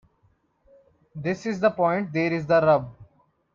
This is the point. There's the rub.